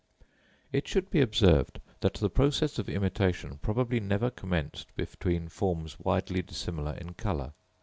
It should be observed that the process of imitation probably never commenced between forms widely dissimilar in colour.